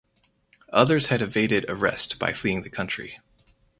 Others had evaded arrest by fleeing the country.